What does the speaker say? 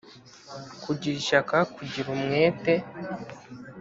kugira ishyaka: kugira umwete,